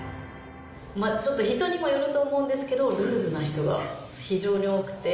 ちょっと人にもよると思うんですけど、ルーズな人が非常に多くて。